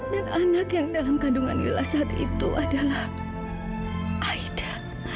dan anak yang dalam kandungan lila saat itu adalah aida